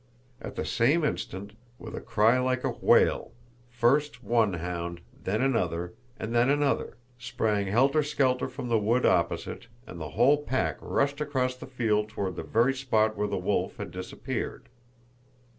At the same instant, with a cry like a wail, first one hound, then another, and then another, sprang helter skelter from the wood opposite and the whole pack rushed across the field toward the very spot where the wolf had disappeared.